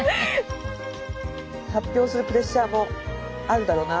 発表するプレッシャーもあるだろうな。